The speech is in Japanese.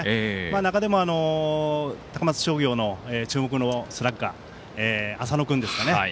中でも高松商業の注目のスラッガー浅野君ですかね